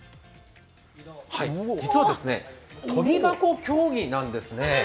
実は跳び箱競技なんですね。